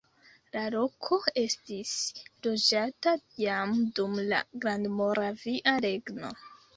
La loko estis loĝata jam dum la Grandmoravia Regno.